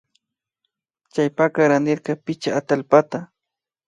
Chaypaka randirka pichka atallpata